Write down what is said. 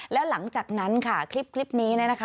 แล้วหลังจากนั้นค่ะคลิปนี้นะคะ